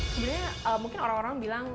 sebenarnya mungkin orang orang bilang